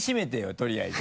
とりあえず。